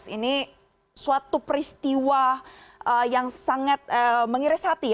ini suatu peristiwa yang sangat mengiris hati